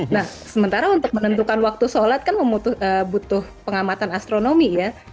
nah sementara untuk menentukan waktu sholat kan membutuhkan pengamatan astronomi ya